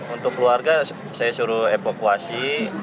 untuk keluarga saya suruh evakuasi